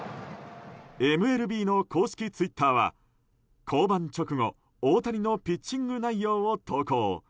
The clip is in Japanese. ＭＬＢの公式ツイッターは降板直後大谷のピッチング内容を投稿。